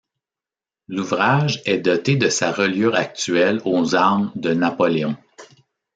L'ouvrage est doté de sa reliure actuelle aux armes de Napoléon.